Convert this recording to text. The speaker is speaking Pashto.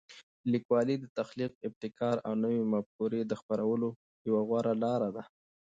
لیکوالی د تخلیق، ابتکار او نوي مفکورې د خپرولو یوه غوره لاره ده.